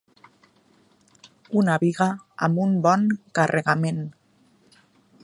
Una biga amb un bon carregament.